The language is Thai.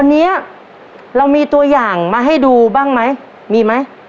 อันนี้เรามีตัวอย่างมาให้ดูบ้างไหมมีไหม